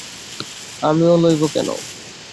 আমি ও লইব কেন?